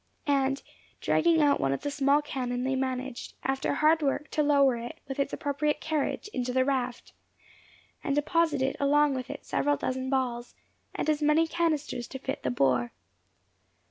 And dragging out one of the small cannon they managed, after hard work, to lower it, with its appropriate carriage, into the raft, and deposited along with it several dozen balls, and as many canisters to fit the bore.